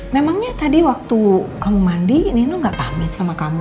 memangnya tadi waktu kamu mandi nenu gak pamit sama kamu